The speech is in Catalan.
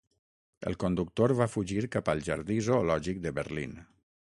El conductor va fugir cap al Jardí Zoològic de Berlín.